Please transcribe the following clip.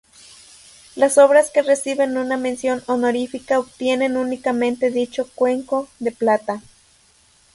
Las obras que reciben una mención honorífica obtienen únicamente dicho cuenco de plata.